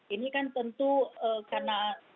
ini kan tentu karena